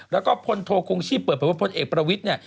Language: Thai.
แล้วก็พลโทคงชีพเปิดประวัติภัณฑ์เอกประวิทย์เนี่ย